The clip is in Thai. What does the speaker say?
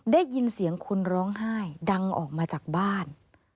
ได้ยินเสียงคนร้องไห้ดังออกมาจากบ้าน